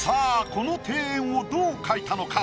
この庭園をどう描いたのか？